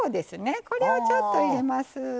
これをちょっと入れます。